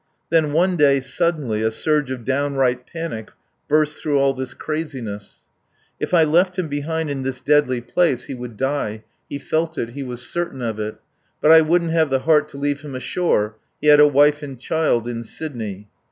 Then one day, suddenly, a surge of downright panic burst through all this craziness. If I left him behind in this deadly place he would die. He felt it, he was certain of it. But I wouldn't have the heart to leave him ashore. He had a wife and child in Sydney.